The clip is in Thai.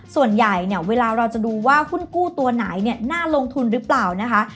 ส่วนใหญ่เนี่ยเวลาเราจะดูว่าหุ้นกู้ตัวไหนเนี่ยน่าลงทุนหรือเปล่านะคะ